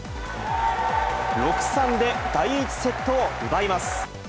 ６ー３で第１セットを奪います。